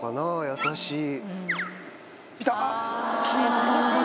優しい。